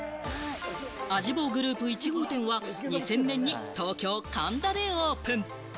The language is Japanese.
アジボウグループ１号店は、２０００年に東京・神田でオープン。